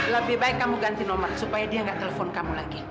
lebih baik kamu ganti nomor supaya dia nggak telepon kamu lagi